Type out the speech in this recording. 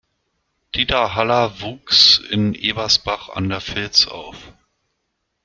Dieter Haller wuchs in Ebersbach an der Fils auf.